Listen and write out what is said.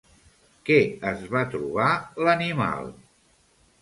Què es va trobar l'animal?